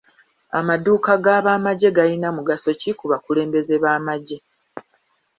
Amadduuka g'abamagye gayina mugaso ki ku bakulembeze b'amagye?